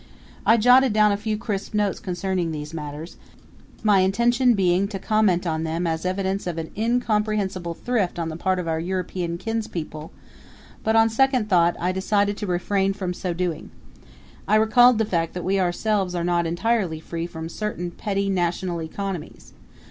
I jotted down a few crisp notes concerning these matters, my intention being to comment on them as evidence of an incomprehensible thrift on the part of our European kins people; but on second thought I decided to refrain from so doing. I recalled the fact that we ourselves are not entirely free from certain petty national economies.